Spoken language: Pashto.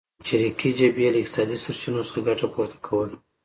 چریکي جبهې له اقتصادي سرچینو څخه ګټه پورته کوله.